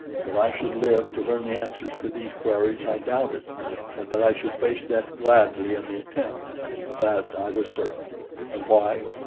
That I should live to learn the answers to these queries I doubted; but that I should face death gladly in the attempt of that I was certain. And why?